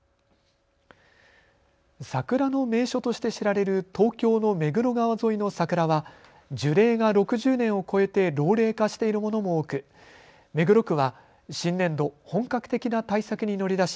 桜の名所として知られる東京の目黒川沿いの桜は樹齢が６０年を超えて老齢化しているものも多く目黒区は新年度、本格的な対策に乗り出し